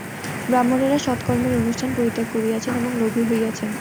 ব্রাহ্মণেরা সৎকর্মের অনুষ্ঠান পরিত্যাগ করিয়াছেন এবং লোভী হইয়াছেন।